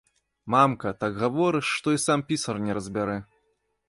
Мамка, так гаворыш, што і сам пісар не разбярэ.